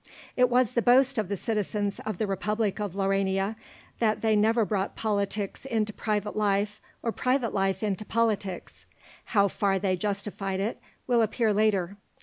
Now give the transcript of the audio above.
It was the boast of the citizens of the Republic of Laurania that they never brought politics into private life or private life into politics. How far they justified it will appear later.